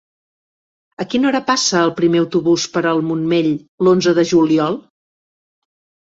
A quina hora passa el primer autobús per el Montmell l'onze de juliol?